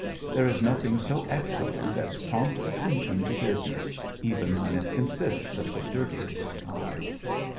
There is nothing so excellent as prompt attention to business, even when it consists of the dirtiest kind.